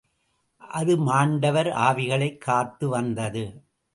அது மாண்டவர் ஆவிகளைக் காத்து வந்தது.